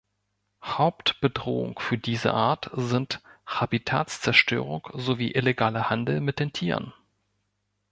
Hauptbedrohung für diese Art sind Habitatzerstörung sowie illegaler Handel mit den Tieren.